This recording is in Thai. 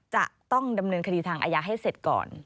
จะต้องดำเนินคดีทางอาญาให้เสร็จก่อน